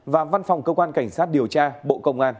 và văn phòng cơ quan cảnh sát điều tra bộ công an